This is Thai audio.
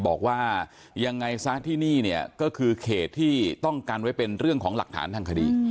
บอกว่ายังไงซะที่นี่เนี่ยก็คือเขตที่ต้องการไว้เป็นเรื่องของหลักฐานทางคดี